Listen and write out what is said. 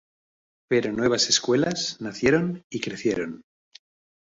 Pero nuevas escuelas nacieron y crecieron.